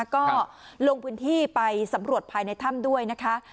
ก็ลงพื้นที่ไปสำรวจภายในถ้ำด้วยนะคะ